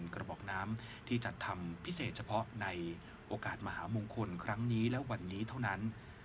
กระบอกน้ำที่จัดทำพิเศษเฉพาะในโอกาสมหามงคลครั้งนี้และวันนี้เท่านั้น